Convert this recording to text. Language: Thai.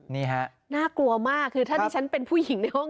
น่ากลัวมากคือถ้าดิฉันเป็นผู้หญิงในห้อง